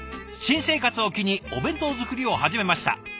「新生活を機にお弁当作りを始めました。